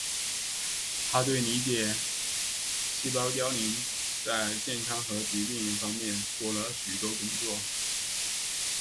他对理解细胞凋亡在健康和疾病方面做了许多工作。